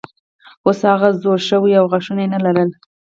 اوس هغه زوړ شوی و او غاښونه یې نه لرل.